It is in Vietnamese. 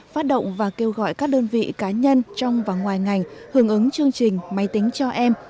phát động và kêu gọi các đơn vị cá nhân trong và ngoài ngành hưởng ứng chương trình máy tính cho em